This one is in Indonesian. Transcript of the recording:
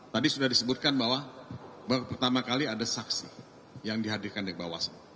tadi sudah disebutkan bahwa pertama kali ada saksi yang dihadirkan di bawaslu